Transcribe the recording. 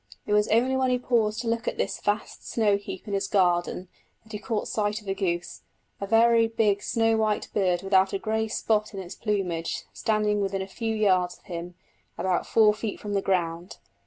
It was only when he paused to look at this vast snow heap in his garden that he caught sight of a goose, a very big snow white bird without a grey spot in its plumage, standing within a few yards of him, about four feet from the ground.